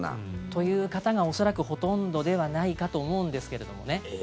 という方が、恐らくほとんどではないかと思うんですけれどもね。